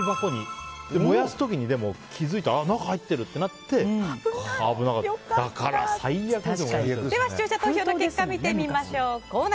燃やす時に気づいて何か入ってる！ってなって視聴者投票の結果見てみましょう。